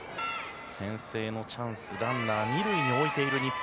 先制のチャンス、ランナー２塁に置いている日本。